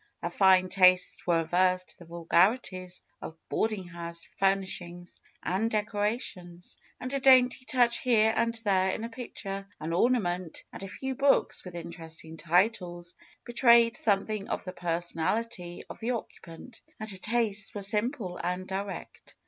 Her fine tastes were averse to the vulgarities of boarding house fur nishings and decorations. And a dainty touch here and there in a picture, an ornament, and a few hooks with interesting titles, betrayed something of the person ality of the occupant, and her tastes were simple and direct.